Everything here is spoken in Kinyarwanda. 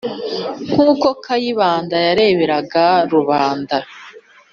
nk' uko kayibanda yareberaga rubanda,